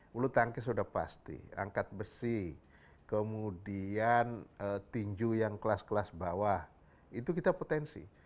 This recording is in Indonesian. bulu tangkis sudah pasti angkat besi kemudian tinju yang kelas kelas bawah itu kita potensi